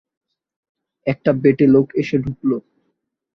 একটা বেঁটে লোক এসে ঢুকল।